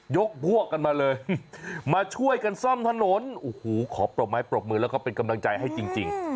พวกกันมาเลยมาช่วยกันซ่อมถนนโอ้โหขอปรบไม้ปรบมือแล้วก็เป็นกำลังใจให้จริง